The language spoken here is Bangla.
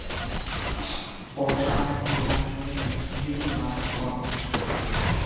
পরে তারা এই অঞ্চলে বিস্তৃতি লাভ করে।